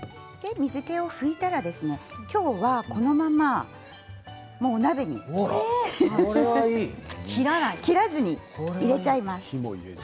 水けを拭いたら今日はこのままお鍋に切らずに入れてしまいます。